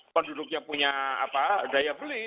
penduduknya punya daya beli